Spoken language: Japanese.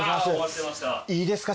いいですか？